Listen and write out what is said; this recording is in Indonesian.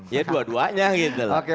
ya dua duanya gitu loh